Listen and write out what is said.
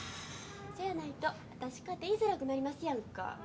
そやないと私かていづらくなりますやんか。